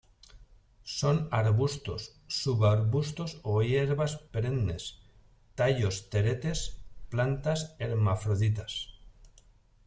Son arbustos, subarbustos o hierbas perennes, tallos teretes; plantas hermafroditas.